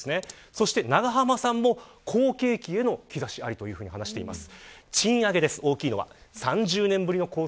そして永濱さんも、好景気への兆しありと話しています。